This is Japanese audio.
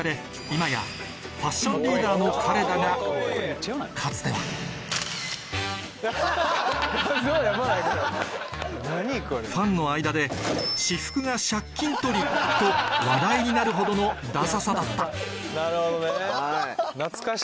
今やファッションリーダーの彼だがかつてはファンの間でと話題になるほどのダサさだったハハハ！